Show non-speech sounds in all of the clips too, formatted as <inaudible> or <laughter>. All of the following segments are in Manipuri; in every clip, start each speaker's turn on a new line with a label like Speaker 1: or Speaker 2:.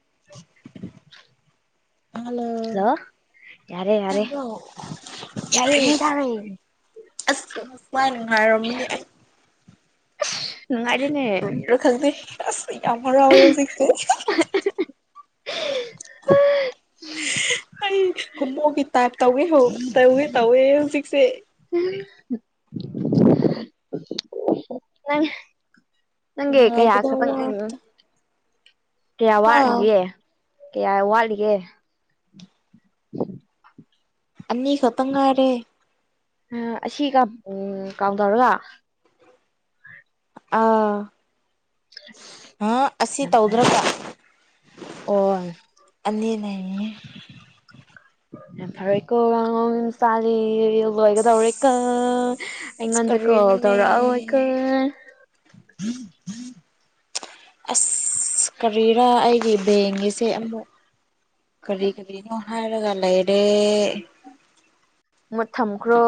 Speaker 1: <inaudible>
Speaker 2: <inaudible> ꯍꯜꯂꯣ ꯌꯥꯔꯦ ꯌꯥꯔꯦ
Speaker 1: ꯇꯥꯕ꯭ꯔꯣ
Speaker 2: ꯌꯥꯔꯦ
Speaker 1: ꯑꯦ
Speaker 2: ꯇꯥꯔꯦ
Speaker 1: ꯑꯁ ꯃꯥ ꯅꯨꯡꯉꯥꯏꯔꯝꯃꯥꯅꯦ ꯑꯩ
Speaker 2: ꯅꯨꯡꯉꯥꯏꯔꯦꯅꯦ
Speaker 1: ꯀꯔꯤꯔ ꯈꯪꯗꯦ ꯑꯁ ꯌꯥꯝ ꯍꯥꯔꯥꯎꯋꯦ ꯍꯧꯖꯤꯛꯁꯦ
Speaker 2: <unintelligible>
Speaker 1: ꯑꯩ ꯍꯣꯃꯣꯒꯤ ꯇꯥꯏꯞ ꯇꯧꯋꯦ ꯇꯧꯒꯦ ꯇꯧꯋꯦ ꯍꯧꯖꯤꯛꯁꯦ
Speaker 2: <unintelligible> ꯅꯪꯒꯤ ꯀꯌꯥ
Speaker 1: ꯉꯥꯏꯕꯗ
Speaker 2: ꯈꯇꯪ
Speaker 1: ꯋꯥꯔꯕꯗ
Speaker 2: <unintelligible> ꯀꯌꯥ
Speaker 1: ꯍꯥ
Speaker 2: ꯋꯥꯠꯂꯤꯒꯦ ꯀꯌꯥ ꯋꯥꯠꯂꯤꯒꯦ <inaudible>
Speaker 1: ꯑꯅꯤ ꯈꯛꯇꯪ ꯉꯥꯢꯔꯦ
Speaker 2: ꯑꯥ ꯑꯁꯤꯒ ꯎꯝ ꯀꯥꯎꯟ ꯇꯧꯔꯒ
Speaker 1: ꯑꯥ ꯑꯥ ꯑꯁꯤ
Speaker 2: ꯌꯥꯝ ꯐꯔꯦ
Speaker 1: ꯇꯧꯗ꯭ꯔꯒ
Speaker 2: ꯑꯣ
Speaker 1: ꯑꯅꯤꯅꯦ
Speaker 2: ꯌꯥꯝ ꯐꯔꯦꯀꯣ ꯃꯤ ꯃꯥꯆꯥꯗꯤ ꯂꯣꯏꯒꯗꯧꯔꯦꯀꯣ ꯑꯩꯉꯣꯟꯗ ꯀꯣꯜ
Speaker 1: ꯀꯔꯤꯅꯣꯅꯦ
Speaker 2: ꯇꯧꯔꯛꯑꯥꯔꯣꯢ ꯀꯣ
Speaker 1: <inaudible> ꯑꯁ ꯀꯔꯤꯔꯥ ꯑꯩꯒꯤ ꯕꯦꯡꯒꯤꯁꯦ ꯑꯃꯨꯛ ꯀꯔꯤ ꯀꯔꯤꯅꯣ ꯍꯥꯏꯔꯒ ꯂꯩꯔꯦ
Speaker 2: ꯃꯨꯠ ꯊꯝꯈ꯭ꯔꯣ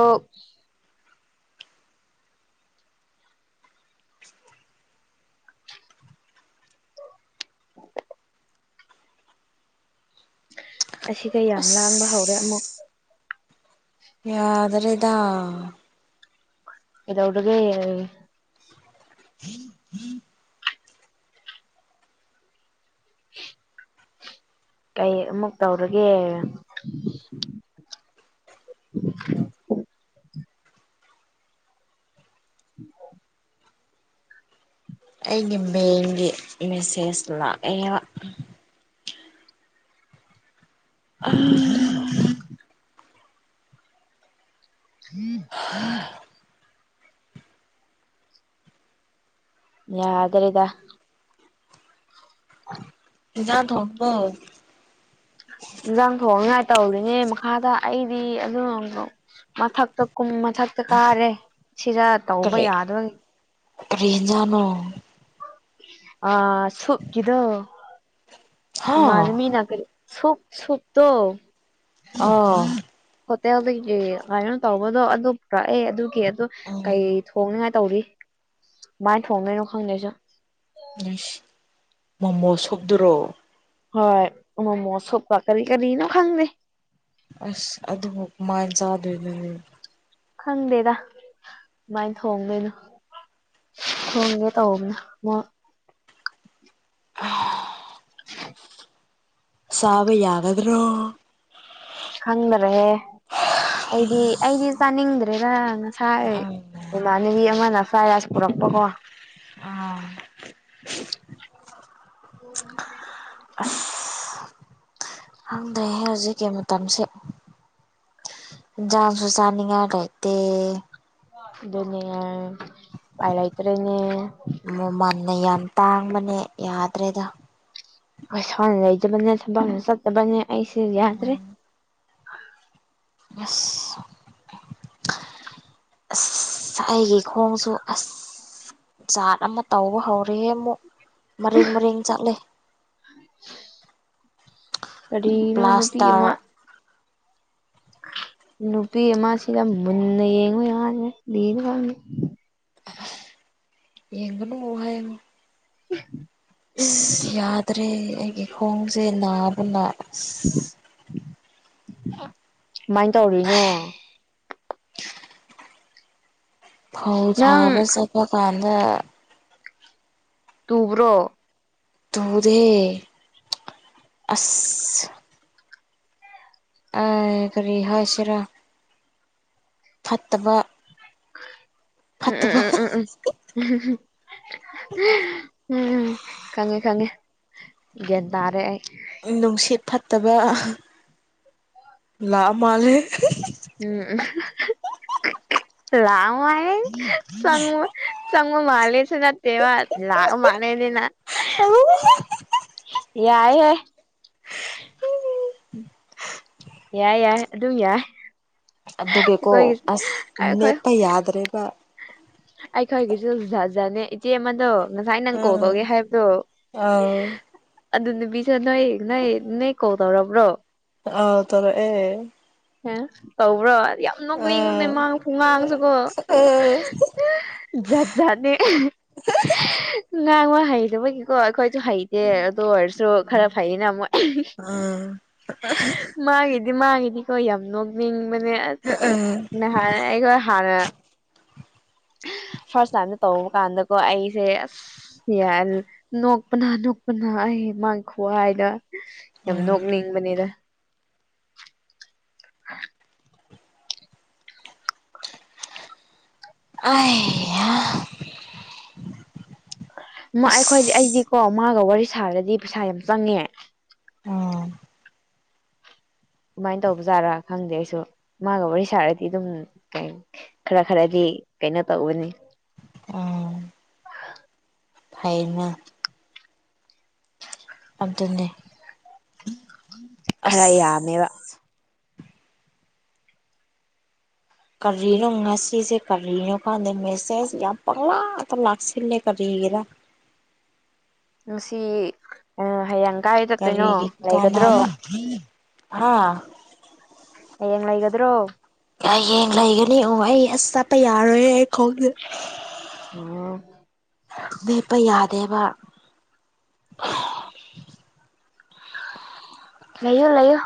Speaker 2: ꯑꯁꯤꯒꯥ ꯌꯥꯝ ꯂꯥꯡꯕ ꯍꯧꯔꯦ ꯑꯃꯨꯛ
Speaker 1: ꯑꯁ ꯌꯥꯗꯔꯦꯗꯥ
Speaker 2: ꯀꯩꯗꯧꯔꯒꯦ
Speaker 1: <inaudible>
Speaker 2: <inaudible> ꯀꯩ ꯑꯃꯨꯛ ꯇꯧꯔꯒꯦ ꯢꯕꯣꯛ
Speaker 1: ꯑꯩꯒꯤ ꯃꯦꯜꯒꯤ ꯃꯦꯁꯦꯖ ꯂꯥꯛꯑꯦꯕ ꯑꯥ
Speaker 2: <inaudible> <inaudible> ꯌꯥꯗ꯭ꯔꯦꯗ <inaudible>
Speaker 1: ꯢꯟꯁꯥꯡ ꯇꯣꯡꯉꯥꯕꯣ
Speaker 2: ꯏꯟꯖꯥꯡ ꯊꯣꯡꯅꯉꯥꯏ ꯇꯧꯔꯤꯅꯦ ꯃꯈꯥꯗ ꯑꯩꯗꯤ ꯑꯗꯨꯉꯝꯗꯣ ꯃꯊꯛꯇꯥ ꯀꯨꯝ ꯃꯊꯛꯇꯥ ꯀꯥꯔꯦ ꯁꯤꯔꯥ ꯇꯧꯕ
Speaker 1: ꯀꯔꯤ
Speaker 2: ꯌꯥꯗꯕꯒꯤ
Speaker 1: ꯀꯔꯤ ꯍꯤꯟꯖꯥꯡꯅꯣ
Speaker 2: ꯑ ꯁꯨꯞ ꯀꯤꯗꯣ
Speaker 1: ꯍꯥ
Speaker 2: ꯃꯥꯜꯃꯤꯅ ꯀꯔꯤ ꯁꯨꯞ ꯁꯨꯞꯇꯣ
Speaker 1: ꯑꯣ
Speaker 2: ꯍꯣꯇꯦꯜꯗꯒꯤ ꯀꯩꯅꯣ ꯇꯧꯕꯗꯣ ꯑꯗꯨ ꯄꯨꯔꯛꯑꯦ ꯑꯗꯨꯒꯤ ꯑꯗꯨ
Speaker 1: ꯎꯝ
Speaker 2: ꯀꯩ ꯊꯣꯡꯅꯤꯡꯉꯥꯏ ꯇꯧꯔꯤ ꯀꯃꯥꯏ ꯊꯣꯡꯗꯣꯏꯅꯣ ꯈꯪꯗꯦ ꯑꯩꯁꯨ
Speaker 1: ꯏꯁ ꯃꯣꯃꯣ ꯁꯨꯄꯇꯨꯔꯣ
Speaker 2: ꯍꯣꯏ ꯃꯣꯃꯣ ꯁꯨꯞꯀꯥ ꯀꯔꯤ ꯀꯥꯔꯤꯅꯣ ꯈꯡꯗꯦ
Speaker 1: ꯑꯁ ꯑꯗꯨꯕꯨ ꯁꯃꯥꯏꯟ ꯆꯥꯗꯣꯏꯅꯣꯅꯦ
Speaker 2: ꯈꯪꯗꯦꯗ ꯀꯃꯥꯏ ꯊꯣꯡꯗꯣꯏꯅꯣ ꯊꯣꯡꯒꯦ ꯇꯧꯕꯅꯦ ꯃꯥ
Speaker 1: <unintelligible> ꯆꯥꯕ ꯌꯥꯒꯗ꯭ꯔꯣ
Speaker 2: ꯈꯪꯗꯔꯍꯦ ꯑꯩꯗꯤ ꯑꯩꯗꯤ ꯆꯥꯅꯤꯡꯗ꯭ꯔꯦꯗ ꯉꯁꯥꯏ
Speaker 1: ꯎꯝ ꯎꯝ
Speaker 2: ꯏꯃꯥꯅꯕꯤ ꯑꯃꯅ ꯐꯔꯥꯏꯔꯥꯏꯁ ꯄꯨꯔꯛꯄ ꯀꯣ
Speaker 1: ꯑꯥ
Speaker 2: <unintelligible>
Speaker 1: ꯈꯪꯗꯦꯍꯦ ꯍꯧꯖꯤꯛꯀꯤ ꯃꯇꯝꯁꯦ ꯍꯤꯟꯖꯥꯡꯁꯨ ꯆꯥꯅꯤꯉꯥꯏ ꯂꯩꯇꯦ
Speaker 2: ꯑꯗꯨꯅꯤ ꯌꯥ ꯄꯥꯏꯂꯩꯇ꯭ꯔꯦꯅꯦ
Speaker 1: ꯃꯃꯟꯅ ꯌꯥꯝ ꯇꯥꯡꯕꯅꯦ ꯌꯥꯗ꯭ꯔꯦꯗ
Speaker 2: ꯄꯩꯁꯥ ꯂꯩꯇꯕꯅꯦ ꯊꯕꯛꯅ ꯆꯠꯇꯕꯅꯦ ꯑꯩꯁ ꯌꯥꯗ꯭ꯔꯦ
Speaker 1: ꯌꯦꯁ ꯑꯁ ꯑꯩꯒꯤ ꯈꯣꯡꯁꯨ ꯑꯁ ꯖꯥꯠ ꯑꯃ ꯇꯧꯕ ꯍꯧꯔꯤꯌꯦ ꯑꯃꯨꯛ ꯃꯔꯦꯡ ꯃꯔꯦꯡ ꯆꯠꯂꯦ
Speaker 2: ꯀꯔꯤꯅꯣ ꯅꯨꯄꯤ ꯑꯃꯥ
Speaker 1: ꯄ꯭ꯂꯥꯁꯇꯔ
Speaker 2: ꯅꯨꯄꯤ ꯑꯃꯁꯤꯗ ꯃꯨꯟꯅ ꯌꯦꯡꯕꯩ ꯌꯥꯅꯦ
Speaker 1: ꯌꯦꯡꯒꯅꯨ ꯍꯥꯏꯕ
Speaker 2: <unintelligible>
Speaker 1: ꯑꯁ ꯌꯥꯗ꯭ꯔꯦ ꯑꯩꯒꯤ ꯈꯣꯡꯁꯦ ꯅꯥꯕꯅ
Speaker 2: ꯀꯃꯥꯏꯟ ꯇꯧꯔꯤꯅꯣ
Speaker 1: ꯐꯧ
Speaker 2: ꯅꯪ
Speaker 1: ꯊꯥꯕ ꯆꯠꯄ ꯀꯥꯟꯗ
Speaker 2: ꯇꯨꯕ꯭ꯔꯣ
Speaker 1: ꯇꯨꯗꯦ ꯑꯁ ꯑ ꯀꯔꯤ ꯍꯥꯏꯁꯤꯔꯥ ꯐꯠꯇꯕ
Speaker 2: ꯎꯝ
Speaker 1: ꯐꯠꯇꯕ
Speaker 2: ꯎꯝ ꯎꯝ ꯎꯝ ꯎꯝ <unintelligible> ꯎꯝ ꯈꯪꯉꯦ ꯈꯪꯉꯦ ꯒ꯭ꯌꯟ ꯇꯔꯦ ꯑꯩ
Speaker 1: ꯅꯨꯡꯁꯤꯠ ꯐꯠꯇꯕ ꯂꯥꯛꯑ ꯃꯥꯜꯂꯦ
Speaker 2: ꯎꯝ ꯂꯥꯛꯑ ꯃꯥꯜꯂꯦ ꯆꯪꯉꯣꯏ ꯆꯡꯕ ꯃꯥꯂꯦꯁꯨ ꯅꯇꯦꯕꯥ ꯂꯥꯛꯑꯃꯥꯂꯦꯅꯤꯅ ꯌꯥꯏꯑꯦ ꯌꯥꯢꯑꯦ ꯌꯥꯏ ꯌꯥꯏ ꯑꯗꯨ ꯌꯥꯏ
Speaker 1: ꯑꯗꯨꯒꯤꯀꯣ
Speaker 2: ꯑꯩꯈꯣꯏꯒꯤꯁꯨ
Speaker 1: ꯑꯁ
Speaker 2: ꯑꯩꯈꯣꯏ
Speaker 1: ꯂꯦꯞꯄ ꯌꯥꯗ꯭ꯔꯦꯕ
Speaker 2: ꯑꯩꯈꯣꯏꯒꯤꯁꯨ ꯖꯠ ꯖꯠꯅꯦ ꯏꯆꯦ ꯑꯃꯗꯣ ꯉꯁꯥꯏ ꯅꯪ
Speaker 1: ꯎꯝ
Speaker 2: ꯀꯣꯜꯇꯧꯒꯦ ꯍꯥꯏꯕꯗꯣ
Speaker 1: ꯑꯥꯎ
Speaker 2: ꯑꯗꯨ ꯅꯨꯄꯤꯁꯨ ꯅꯣꯏ ꯅꯣꯏ ꯅꯣꯏ ꯀꯣꯜ ꯇꯧꯔꯕ꯭ꯔꯣ
Speaker 1: ꯑꯥꯎ ꯇꯧꯔꯛꯑꯦ
Speaker 2: ꯑꯦ ꯇꯧꯕ꯭ꯔꯣ ꯌꯥꯝ ꯅꯣꯛꯅꯤꯡꯕꯅꯦ
Speaker 1: ꯑꯥ
Speaker 2: ꯃꯥ ꯈꯨꯉꯥꯡꯁꯨꯀꯣ
Speaker 1: ꯑꯥ
Speaker 2: ꯖꯥꯠ ꯖꯥꯠꯅꯦ ꯉꯥꯡꯕ ꯍꯩꯔꯕꯒꯤ ꯀꯣ ꯑꯩꯈꯣꯏꯁꯨ ꯍꯩ ꯑꯦ ꯑꯗꯨ ꯑꯣꯏꯔꯁꯨ ꯈꯔ ꯐꯩꯌꯦꯅ ꯃꯣꯏ ꯃꯥꯒꯤ ꯗꯤ ꯃꯥꯥꯡꯉꯤꯗꯤꯀꯣ ꯌꯥꯝ ꯅꯣꯛꯅꯤꯡꯕꯅꯦ ꯑꯁ ꯅꯍꯥꯟ ꯑꯩꯒ ꯍꯥꯟꯅ ꯐꯥꯔꯁ ꯇꯥꯏꯝꯗ ꯇꯧꯕ ꯀꯥꯟꯗꯀꯣ ꯑꯩꯁꯦ ꯑꯁ ꯌꯥ ꯅꯣꯛꯄꯅ ꯅꯣꯛꯄꯅ ꯑꯩ ꯃꯥꯒꯤ ꯈꯨ ꯍꯥꯏꯗ ꯌꯥꯝ ꯅꯣꯛꯅꯤꯡꯕꯅꯤꯗ
Speaker 1: <unintelligible>
Speaker 2: ꯃ ꯑꯩꯈꯣꯏꯗꯤ
Speaker 1: ꯑꯁ
Speaker 2: ꯑꯩꯗꯤꯀꯣ ꯃꯥꯒ ꯋꯥꯔꯤ ꯁꯥꯔꯗꯤ ꯄꯩꯁꯥ ꯌꯥꯝ ꯆꯪꯉꯦ
Speaker 1: ꯑꯣ
Speaker 2: ꯑꯗꯨꯃꯥꯏꯅ ꯇꯧꯕꯖꯥꯠꯔꯥ ꯈꯪꯗꯦ ꯑꯩꯁꯨ ꯃꯥꯒ ꯋꯥꯔꯤ ꯁꯥꯔꯗꯤ ꯑꯗꯨꯝ ꯀꯩ ꯈꯔ ꯈꯔꯗꯤ ꯀꯩꯅꯣ ꯇꯧꯕꯅꯤ
Speaker 1: <unintelligible> ꯐꯩꯌꯦꯅ ꯑꯗꯨꯅꯦ
Speaker 2: ꯈꯔ
Speaker 1: ꯑꯁ
Speaker 2: ꯌꯝꯃꯦꯕ
Speaker 1: ꯀꯔꯤꯅꯣ ꯉꯁꯤꯁꯦ ꯀꯔꯤꯅꯣ ꯈꯪꯗꯦ ꯃꯦꯁꯦꯁ ꯌꯥꯝ ꯄꯪꯂꯥꯛꯇ ꯂꯥꯛꯁꯤꯜꯂꯦ ꯀꯔꯤꯒꯤꯔꯥ
Speaker 2: ꯉꯁꯤ ꯍꯌꯦꯡ ꯀꯥꯏꯗ ꯆꯠꯇꯣꯏꯅꯣ
Speaker 1: ꯀꯔꯤꯒꯤ
Speaker 2: ꯂꯩꯒꯗ꯭ꯔꯣ
Speaker 1: <unintelligible> ꯍꯥ
Speaker 2: ꯍꯌꯦꯡ ꯂꯩꯒꯗ꯭ꯔꯣ
Speaker 1: ꯍꯌꯦꯡ ꯂꯩꯒꯅꯤ ꯎ ꯑꯩ ꯑꯁ ꯆꯠꯄ ꯌꯥꯔꯣꯏ ꯑꯩ ꯈꯣꯡꯁꯦ
Speaker 2: <unintelligible>
Speaker 1: ꯂꯦꯞꯄ ꯌꯥꯗꯦꯕ
Speaker 2: ꯂꯩꯌꯣ ꯂꯩꯌꯣ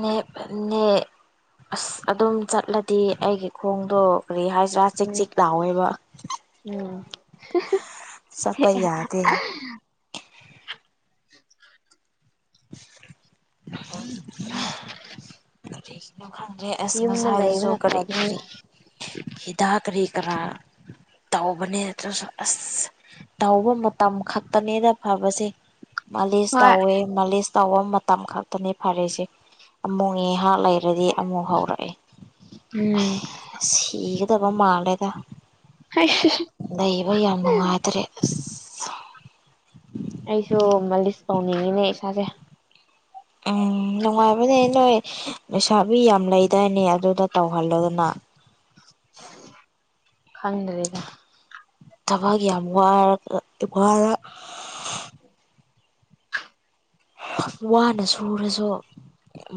Speaker 1: ꯅꯦꯞꯄꯅꯦ ꯑꯁ ꯑꯗꯨꯝ ꯆꯠꯂꯗꯤ ꯑꯩꯒꯤ ꯈꯣꯡꯗꯣ ꯀꯔꯤ ꯍꯥꯏꯁꯤꯔꯥ ꯆꯤꯛ
Speaker 2: ꯎꯝ
Speaker 1: ꯆꯤꯛ ꯂꯥꯎꯋꯦꯕ
Speaker 2: ꯎꯝ
Speaker 1: ꯆꯠꯄ ꯌꯥꯗꯦ
Speaker 2: <unintelligible>
Speaker 1: <unintelligible> ꯀꯔꯤꯒꯤꯅꯣ ꯈꯪꯗ꯭ꯔꯦ ꯑꯁ
Speaker 2: ꯌꯨꯝꯗ
Speaker 1: ꯉꯁꯥꯏꯗꯨꯁꯨ
Speaker 2: ꯂꯩꯕꯅ
Speaker 1: ꯀꯔꯤ
Speaker 2: ꯐꯕꯅꯤ
Speaker 1: ꯀꯔꯤ ꯍꯤꯗꯥꯛ ꯀꯔꯤ ꯀꯔꯥ ꯇꯧꯕꯅꯦ ꯑꯗꯨꯁꯨ ꯑꯁ ꯇꯧꯕ ꯃꯇꯝ ꯈꯛꯇꯅꯦꯗ ꯐꯕꯁꯦ ꯃꯥꯂꯤꯁ
Speaker 2: ꯍꯣꯏ
Speaker 1: ꯇꯧꯋꯦ ꯃꯥꯂꯤꯁ ꯇꯧꯕ ꯃꯇꯝ ꯈꯛꯇꯅꯤ ꯐꯔꯤꯁꯦ ꯑꯃꯨꯛ ꯉꯤꯍꯥꯛ ꯂꯩ ꯔꯗꯤ ꯑꯃꯨꯛ ꯍꯧꯔꯛꯑꯦ
Speaker 2: ꯎꯝ
Speaker 1: ꯁꯤꯒꯗꯕ ꯃꯥꯜꯂꯦꯗ
Speaker 2: <unintelligible>
Speaker 1: ꯂꯩꯕ ꯌꯥꯝ ꯅꯨꯡꯉꯥꯏꯇ꯭ꯔꯦ ꯑꯁ
Speaker 2: ꯑꯩꯁꯨ ꯃꯥꯂꯤꯁ ꯇꯧꯅꯤꯡꯉꯤꯅꯦ ꯏꯁꯥꯁꯦ
Speaker 1: ꯎꯝ ꯅꯨꯡꯉꯥꯏꯕꯅꯦ ꯅꯣꯏ ꯂꯩꯩꯁꯥꯕꯤ ꯌꯥꯝ ꯂꯩꯗꯥꯢꯅꯦ ꯑꯗꯨꯗ ꯇꯧꯍꯜꯂꯣꯗꯅ
Speaker 2: ꯈꯪꯗ꯭ꯔꯦꯗ
Speaker 1: ꯊꯕꯛ ꯌꯥꯝ ꯋꯔꯒ ꯋꯥꯔꯦ ꯋꯥꯅ ꯁꯨꯔꯁꯨ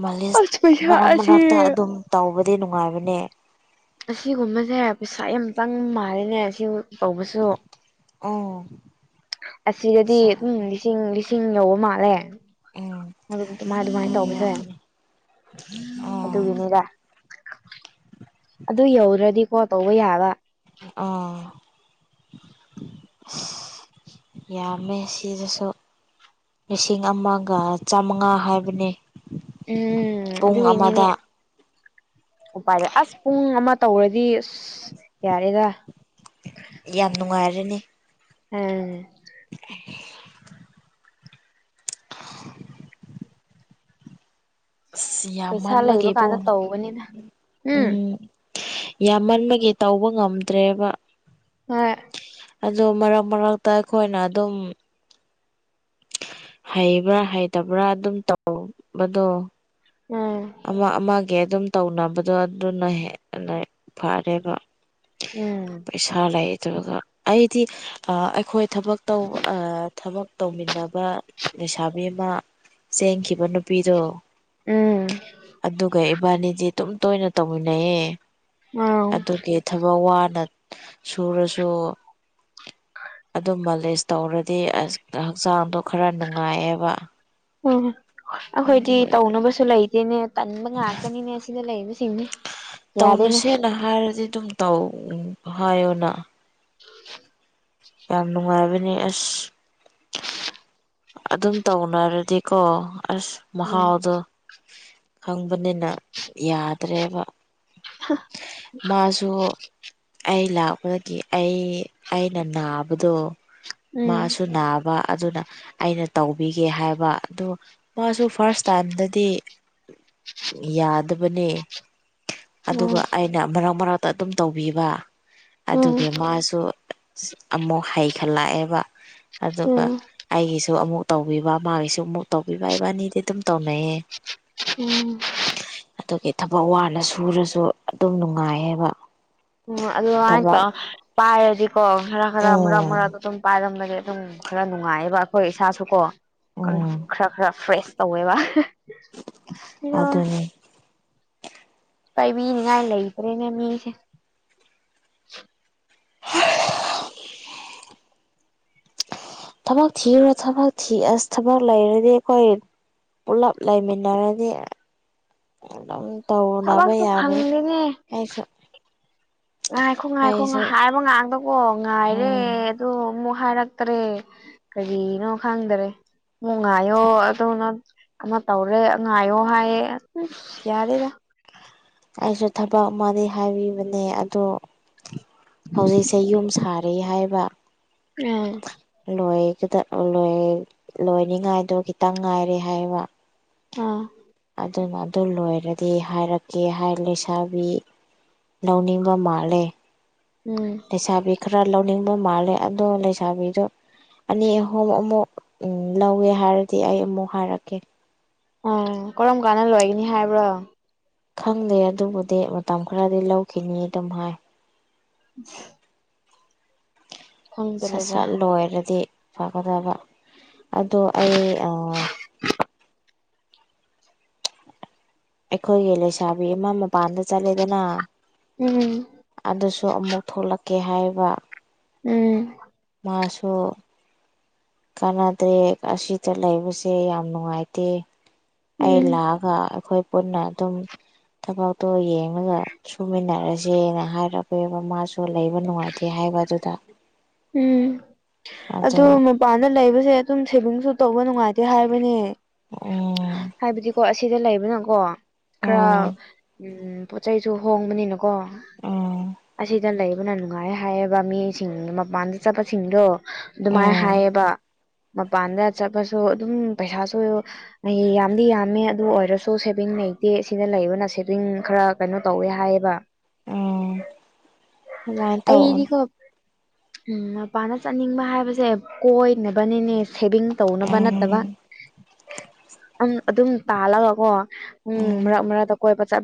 Speaker 1: ꯃꯥꯂꯤꯁ
Speaker 2: ꯑꯁ ꯄꯩꯁꯥ
Speaker 1: ꯃꯔꯥꯛ
Speaker 2: ꯑꯁꯤ
Speaker 1: ꯃꯔꯥꯛꯇ ꯑꯗꯨꯝ ꯇꯧꯕꯗꯤ ꯅꯨꯡꯉꯥꯏꯕꯅꯦ
Speaker 2: ꯑꯁꯤꯒꯨꯝꯕꯁꯦ ꯄꯩꯁꯥ ꯌꯥꯝ ꯆꯪ ꯃꯥꯜꯂꯤꯅꯦ ꯑꯁꯤ ꯇꯧꯕꯁꯨ
Speaker 1: ꯑꯣ
Speaker 2: ꯑꯁꯤꯗꯗꯤ ꯎꯝ ꯂꯤꯁꯤꯡ ꯂꯤꯁꯤꯡ ꯂꯧꯕ ꯃꯥꯜꯂꯦ
Speaker 1: ꯑꯗꯨꯒꯤ
Speaker 2: ꯍꯥꯢꯕ ꯑꯗꯨꯃꯥꯏ ꯑꯗꯨꯃꯥꯢ ꯇꯧꯕꯁꯦ
Speaker 1: ꯑꯣꯏꯔꯝꯒꯅꯤ ꯑꯥ
Speaker 2: ꯑꯗꯨꯒꯤꯅꯦꯗ ꯑꯗꯨ ꯌꯧꯗ꯭ꯔꯗꯤꯀꯣ ꯇꯧꯕ ꯌꯥꯕ
Speaker 1: ꯑꯥ ꯁꯤ ꯌꯥꯝꯃꯦ ꯁꯤꯗꯁꯨ ꯂꯤꯁꯤꯡ ꯑꯃꯒ ꯆꯥꯃꯉꯥ ꯍꯥꯏꯕꯅꯦ
Speaker 2: ꯎꯝ
Speaker 1: ꯄꯨꯡ
Speaker 2: ꯑꯗꯨꯒꯤꯅꯤꯅꯦ
Speaker 1: ꯑꯃꯗ
Speaker 2: ꯎꯄꯥꯏꯔꯦ ꯑꯁ ꯄꯨꯡ ꯑꯃ ꯇꯧꯔꯗꯤ ꯑꯁ ꯌꯥꯔꯦꯗ
Speaker 1: ꯌꯥꯝ ꯅꯨꯡꯉꯥꯏꯔꯅꯤ
Speaker 2: ꯎꯝ
Speaker 1: <unintelligible> ꯑꯁ ꯌꯥꯝ
Speaker 2: ꯄꯩꯁꯥ ꯂꯩꯕ
Speaker 1: ꯃꯟꯕꯒꯤꯀꯣ
Speaker 2: ꯀꯥꯟꯗ ꯇꯧꯕꯅꯤꯅ
Speaker 1: ꯎꯝ ꯌꯥꯝꯃꯟꯕꯒꯤ ꯇꯧꯕ ꯉꯝꯗ꯭ꯔꯦꯕ
Speaker 2: ꯍꯣꯏ
Speaker 1: ꯑꯗꯨ ꯃꯔꯛ ꯃꯔꯛꯇ ꯑꯩꯈꯣꯏꯅ ꯑꯗꯨꯝ ꯍꯩꯕ꯭ꯔꯥ ꯍꯩꯇꯕ꯭ꯔꯥ ꯑꯗꯨꯝ ꯇꯧꯕꯗꯣ
Speaker 2: ꯎꯝ
Speaker 1: ꯑꯃ ꯑꯃꯒꯤ ꯑꯗꯨꯝ ꯇꯧꯅꯕꯗꯣ ꯑꯗꯨꯅ ꯍꯦꯟꯅ ꯐꯔꯦꯕ
Speaker 2: ꯎꯝ
Speaker 1: ꯄꯩꯁꯥ ꯂꯩꯇ꯭ꯔꯒ ꯑꯩꯗꯤ ꯑ ꯑꯩꯈꯣꯏ ꯊꯕꯛ ꯇꯧ ꯑ ꯊꯕꯛ ꯇꯧꯃꯤꯟꯅꯕ ꯂꯩꯁꯥꯕꯤ ꯑꯃ ꯆꯦꯟꯈꯤꯕ ꯅꯨꯄꯤꯗꯣ
Speaker 2: ꯎꯝ
Speaker 1: ꯑꯗꯨꯒ ꯏꯕꯥꯅꯤꯗꯤ ꯑꯗꯨꯝ ꯇꯣꯏꯅ ꯇꯧꯃꯤꯟꯅꯩꯌꯦ
Speaker 2: ꯑꯥꯎ
Speaker 1: ꯑꯗꯨꯒꯤ ꯊꯕꯛ ꯋꯥꯅ ꯁꯨꯔꯁꯨ ꯑꯗꯨꯝꯕ ꯃꯥꯂꯤꯁ ꯇꯧꯔꯗꯤ ꯑꯁ ꯍꯛꯆꯥꯡꯗꯣ ꯈꯔ ꯅꯨꯡꯉꯥꯏꯑꯦꯕ
Speaker 2: ꯎꯝ ꯑꯩꯈꯣꯏꯗꯤ ꯇꯧꯅꯕꯁꯨ ꯂꯩꯇꯦꯅꯦ ꯇꯟꯕ ꯉꯥꯛꯇꯅꯤꯅꯦ ꯑꯁꯤꯗ ꯂꯩꯕꯁꯤꯡꯁꯦ
Speaker 1: ꯇꯧꯅꯁꯦꯅ ꯍꯥꯏꯔꯗꯤ ꯑꯗꯨꯝ ꯇꯧ ꯍꯥꯏꯌꯣꯅ
Speaker 2: <inaudible>
Speaker 1: ꯌꯥꯝ ꯅꯨꯡꯉꯥꯏꯕꯅꯦ ꯑꯁ ꯑꯗꯨꯝ ꯇꯧꯅꯔꯗꯤꯀꯣ ꯑꯁ
Speaker 2: ꯎꯝ
Speaker 1: ꯃꯍꯥꯎꯗꯣ ꯈꯪꯕꯅꯤꯅ ꯌꯥꯗ꯭ꯔꯦꯕ
Speaker 2: <unintelligible>
Speaker 1: ꯗꯣ ꯑꯩ ꯂꯥꯛꯄꯗꯒꯤ ꯑꯩ ꯑꯩꯅ ꯅꯥꯕꯗꯣ
Speaker 2: ꯎꯝ
Speaker 1: ꯃꯥꯁꯨ ꯅꯥꯕ ꯑꯗꯨꯅ ꯑꯩꯅ ꯇꯧꯕꯤꯒꯦ ꯍꯥꯏꯕ ꯑꯗꯨ ꯃꯥꯁꯨ ꯐꯥꯔꯁ ꯇꯥꯏꯝꯗꯗꯤ ꯌꯥꯗꯕꯅꯦ ꯑꯗꯨꯒ
Speaker 2: ꯎꯝ
Speaker 1: ꯑꯩꯅ ꯃꯔꯛ ꯃꯔꯛꯇ ꯑꯗꯨꯝ ꯇꯧꯕꯤꯕ
Speaker 2: ꯎꯝ
Speaker 1: ꯑꯗꯨꯒꯤ ꯃꯥꯁꯨ ꯑꯃꯨꯛ ꯍꯩꯈꯠꯂꯛꯑꯦꯕ ꯑꯗꯨꯒ
Speaker 2: ꯎꯝ
Speaker 1: ꯑꯩꯒꯤꯁꯨ ꯗꯨ ꯑꯃꯨꯛ ꯇꯧꯕꯤꯕ ꯃꯥꯒꯤꯁꯨ ꯑꯃꯨꯛ ꯇꯧꯕꯤꯕ ꯏꯕꯥꯅꯤꯗꯤ ꯑꯗꯨꯝ ꯇꯧꯅꯩꯌꯦ
Speaker 2: ꯎꯝ
Speaker 1: ꯑꯗꯨꯒꯤ ꯊꯕꯛ ꯋꯥꯅ ꯁꯨꯔꯁꯨ ꯑꯗꯨꯝ ꯅꯨꯡꯉꯥꯏꯌꯦꯕ
Speaker 2: ꯎꯝ ꯑꯗꯨꯃꯥꯏ
Speaker 1: ꯊꯕꯛ
Speaker 2: ꯇꯧ ꯄꯥꯏꯔꯗꯤꯀꯣ ꯈꯔ ꯈꯔ ꯃꯔꯛ
Speaker 1: ꯎꯝ
Speaker 2: ꯃꯔꯛꯇ ꯑꯗꯨꯝ ꯄꯥꯏꯔꯝꯕꯅ ꯑꯗꯨꯝ ꯈꯔ ꯅꯨꯡꯉꯥꯏꯑꯦꯕ ꯑꯩꯈꯣꯏ ꯏꯁꯥꯁꯨꯀꯣ ꯀꯪ
Speaker 1: ꯎꯝ
Speaker 2: ꯈꯔ ꯈꯔ ꯐ꯭ꯔꯦꯁ ꯇꯧꯋꯦꯕ <unintelligible>
Speaker 1: ꯑꯗꯨꯅꯤ
Speaker 2: ꯄꯥꯏꯕꯤꯅꯤꯉꯥꯏ ꯂꯩꯕ꯭ꯔꯦꯅꯦ ꯃꯤꯁꯦ
Speaker 1: <unintelligible> ꯊꯕꯛ ꯊꯤꯔꯣ ꯊꯕꯛ ꯊꯤ ꯑꯁ ꯊꯕꯛ ꯂꯩꯔꯗꯤ ꯑꯩꯈꯣꯏ ꯄꯨꯜꯂꯞ ꯂꯩꯥꯏꯃꯤꯟꯅꯔꯅꯤ <unintelligible> ꯇꯧꯅꯕ
Speaker 2: ꯊꯕꯛꯁꯨ
Speaker 1: ꯌꯥꯕꯅꯤ
Speaker 2: ꯐꯪꯗꯦꯅꯦ
Speaker 1: ꯑꯩꯁꯨ
Speaker 2: ꯉꯥꯏꯈꯣ ꯉꯥꯏꯈꯣ
Speaker 1: ꯑꯩꯁꯨ
Speaker 2: ꯉꯥꯏꯕ ꯉꯥꯛꯗꯀꯣ ꯉꯥꯏꯔꯦ
Speaker 1: ꯎꯝ
Speaker 2: ꯑꯗꯣ ꯑꯃꯨꯛ ꯍꯥꯏꯔꯛꯇ꯭ꯔꯦ ꯀꯔꯤꯅꯣ ꯈꯪꯗꯔꯦ ꯉꯥꯏꯌꯣ ꯑꯗꯨꯅ ꯑꯃ ꯇꯧꯔꯦ ꯉꯥꯏꯌꯣ ꯍꯥꯏꯌꯦ ꯍꯝ ꯌꯥꯔꯦꯗ
Speaker 1: ꯑꯩꯁꯨ ꯊꯕꯛ ꯑꯃꯅꯤ ꯍꯥꯏꯕꯤꯕꯅꯦ ꯑꯗꯣ ꯍꯧꯖꯤꯛꯁꯦ ꯌꯨꯝ ꯁꯥ ꯔꯤ ꯍꯥꯏꯕ
Speaker 2: ꯎꯝ
Speaker 1: ꯂꯣꯏꯒꯗ ꯂꯣꯏ ꯂꯣꯏꯅꯤꯉꯥꯏꯗꯣ ꯈꯤꯇꯪ ꯉꯥꯏꯔꯦ ꯍꯥꯏꯌꯦꯕ
Speaker 2: ꯑꯥ
Speaker 1: ꯑꯗꯨꯅ ꯑꯗꯨ ꯂꯣꯏꯔꯗꯤ ꯍꯥꯏꯔꯛꯀꯦ ꯍꯥꯏ ꯂꯩꯁꯥꯕꯤ ꯂꯧꯅꯤꯡꯕ ꯃꯥꯜꯂꯦ
Speaker 2: ꯎꯝ
Speaker 1: ꯂꯩꯁꯥꯕꯤ ꯈꯔ ꯂꯧꯅꯤꯡꯕ ꯃꯥꯜꯂꯦ ꯑꯗꯣ ꯂꯩꯁꯥꯕꯤꯗꯣ ꯑꯅꯤ ꯑꯍꯨꯝ ꯑꯃꯨꯛ ꯂꯧꯋꯦ ꯍꯥꯏꯔꯗꯤ ꯑꯩ ꯑꯃꯨꯛ ꯍꯥꯏꯔꯛꯀꯦ
Speaker 2: ꯑꯣ ꯀꯔꯝ ꯀꯥꯟꯗ ꯂꯣꯏꯒꯅꯤ ꯍꯥꯏꯕ꯭ꯔꯣ
Speaker 1: ꯈꯪꯗꯦ ꯑꯗꯨꯕꯨꯗꯤ ꯃꯇꯝ ꯈꯔꯗꯤ ꯂꯧꯈꯤꯅꯤ ꯑꯗꯨꯝ ꯍꯥꯏ
Speaker 2: <inaudible>
Speaker 1: ꯁꯠ
Speaker 2: ꯈꯪꯗ꯭ꯔꯦꯗ
Speaker 1: ꯁꯠ ꯂꯣꯏꯔꯗꯤ ꯐꯒꯗꯕ ꯑꯗꯣ ꯑꯩ ꯑꯥ ꯑꯩꯈꯣꯏꯒꯤ ꯂꯩꯁꯥꯕꯤ ꯑꯃ ꯃꯄꯥꯟꯗ ꯆꯠꯂꯦꯗꯅ
Speaker 2: ꯎꯝ
Speaker 1: ꯑꯗꯨꯁꯨ ꯑꯃꯨꯛ ꯊꯣꯛꯂꯛꯀꯦ ꯍꯥꯏꯌꯦꯕ
Speaker 2: ꯎꯝ
Speaker 1: ꯃꯥꯁꯨ ꯀꯥꯟꯅꯗ꯭ꯔꯦ ꯑꯁꯤꯗ ꯂꯩꯕꯁꯦ ꯌꯥꯝ ꯅꯨꯡꯉꯥꯏꯇꯦ ꯑꯩ
Speaker 2: ꯎꯝ
Speaker 1: ꯂꯥꯛ ꯒ ꯑꯈꯣꯏ ꯄꯨꯟꯅ ꯑꯗꯨꯝ ꯊꯕꯛꯇꯣ ꯌꯦꯡꯂꯒ ꯁꯨꯃꯤꯟꯅꯔꯖꯦꯅ ꯍꯥꯏꯔꯛꯄꯦꯕ ꯃꯥꯁꯨ ꯂꯩꯕ ꯅꯨꯡꯉꯥꯏꯇꯦ ꯍꯥꯏꯕ ꯑꯗꯨꯗ
Speaker 2: ꯎꯝ ꯑꯗꯨ ꯃꯄꯥꯟꯗ ꯂꯩꯕꯁꯦ ꯑꯗꯨꯝ ꯁꯦꯚꯤꯡꯁꯨ ꯇꯧꯕ ꯅꯨꯡꯉꯥꯏꯇꯦ ꯍꯥꯏꯕꯅꯦ
Speaker 1: ꯎꯝ
Speaker 2: ꯍꯥꯏꯕꯗꯤꯀꯣ ꯑꯁꯤꯗ ꯂꯩꯕꯅꯀꯣ ꯈꯔ
Speaker 1: ꯎꯝ
Speaker 2: ꯎꯝ ꯄꯣꯠ ꯆꯩꯁꯨ ꯍꯣꯡꯕꯅꯤꯅꯀꯣ
Speaker 1: ꯎꯝ
Speaker 2: ꯑꯁꯤ ꯗ ꯂꯩꯕꯅ ꯅꯨꯡꯉꯥꯏꯌꯦ ꯍꯥꯏꯌꯦꯕ ꯃꯤꯁꯤꯡ ꯃꯄꯥꯟꯗ ꯆꯠꯄꯁꯤꯡꯗꯣ ꯑꯗꯨꯃꯥꯏ
Speaker 1: ꯎꯝ
Speaker 2: ꯍꯥꯏꯌꯦꯕ ꯃꯄꯥꯟꯗ ꯆꯠꯄꯁꯨ ꯑꯗꯨꯝ ꯄꯩꯁꯥꯁꯨ ꯑꯩ ꯌꯥꯝꯗꯤ ꯌꯥꯝꯃꯦ ꯑꯗꯨ ꯑꯣꯏꯔꯁꯨ ꯁꯦꯚꯤꯡ ꯂꯩꯇꯦ ꯁꯤꯗ ꯂꯩꯕꯅ ꯁꯦꯚꯤꯡ ꯈꯔ ꯀꯩꯅꯣ ꯇꯧꯋꯦ ꯍꯥꯏꯌꯦꯕ
Speaker 1: ꯑꯣ
Speaker 2: ꯑꯩꯗꯤꯀꯣ ꯎꯝ ꯃꯄꯥꯟꯗ ꯆꯠꯅꯤꯡꯕ ꯍꯥꯏꯕꯁꯦ ꯀꯣꯏꯅꯕꯅꯤꯅꯦ ꯁꯦꯚꯤꯡ ꯇꯧꯅꯕ ꯅꯠꯇꯕ
Speaker 1: ꯎꯝ
Speaker 2: ꯑꯝ ꯑꯗꯨꯝ ꯇꯥꯜꯂꯒꯀꯣ ꯎꯝ ꯃꯔꯛ ꯃꯔꯛꯇ ꯀꯣꯏꯕ ꯆꯠ